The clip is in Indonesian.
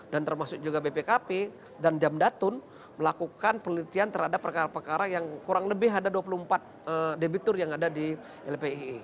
dan termasuk juga bpkp dan jamdatun melakukan penelitian terhadap perkara perkara yang kurang lebih ada dua puluh empat debitur yang ada di lpei